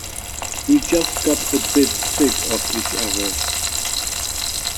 We just got a bit sick of each other.